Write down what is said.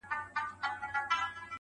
گلي~